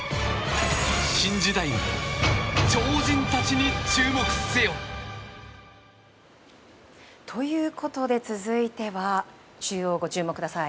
新時代の超人たちに注目せよ！ということで続いては中央、ご注目ください。